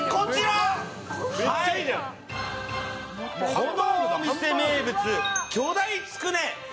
このお店名物巨大つくね。